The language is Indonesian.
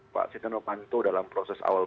pak setia novanto dalam proses awal